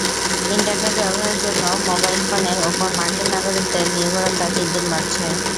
Internet ব্যবহারের জন্য mobile ফোনের ওপর মার্কিন নাগরিকদের নির্ভরতা দিন দিন বাড়ছে।